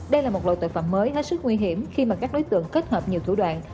đây là một loại tội phạm mới hết sức nguy hiểm khi mà các đối tượng kết hợp nhiều thủ đoạn